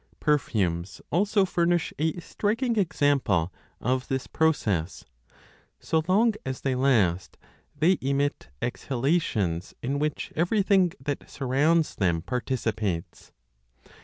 Perfumes also furnish a striking example of this process; so long as they last, they emit exhalations in which everything that surrounds them participates.